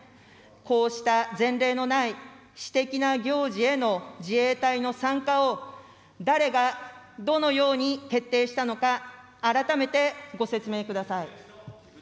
こうした前例のない私的な行事への自衛隊の参加を誰がどのように決定したのか、改めてご説明ください。